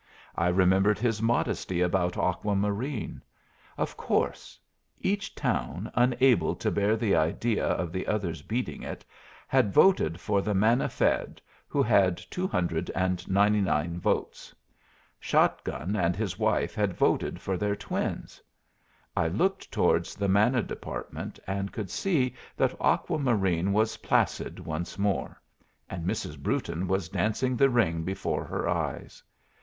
I remembered his modesty about Aqua Marine. Of course. Each town, unable to bear the idea of the other's beating it, had voted for the manna fed, who had 299 votes. Shot gun and his wife had voted for their twins. I looked towards the Manna Department, and could see that Aqua Marine was placid once more, and Mrs. Brewton was dancing the ring before her eyes.